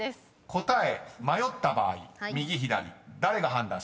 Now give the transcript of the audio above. ［答え迷った場合右・左誰が判断しますか？］